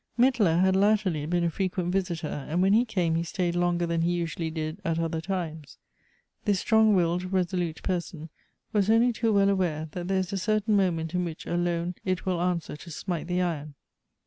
Mittler had latterly been a frequent visitor, and when he came he staid longer than he usually did at other times. This strong willed, resolute person was only too well awai c that there is a certain moment in which alone it will answer to smite the iron.